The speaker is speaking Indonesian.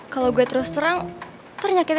yaudah taruh dulu aja